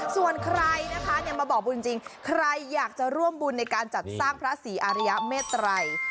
ส่วนใครนะคะมาบอกบุญจริงใครอยากจะร่วมบุญในการจัดสร้างพระศรีอาริยเมตรัย